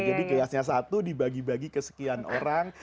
jadi gelasnya satu dibagi bagi ke sekian orang